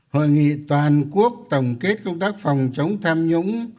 hội nghị toàn quốc tổng kết công tác phòng chống tham nhũng